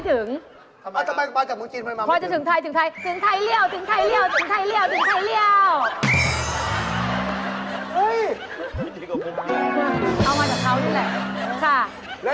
เอามาจากเขานี่แหละ